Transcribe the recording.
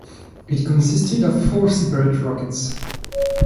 It consisted of four separate rockets.